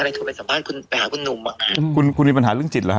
โทรไปสัมภาษณ์คุณไปหาคุณหนุ่มอ่ะคุณคุณมีปัญหาเรื่องจิตเหรอฮ